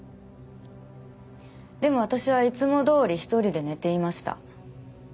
でも私はいつもどおり一人で寝ていました。